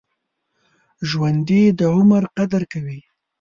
ژوندي د عمر قدر کوي